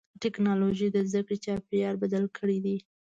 ټکنالوجي د زدهکړې چاپېریال بدل کړی دی.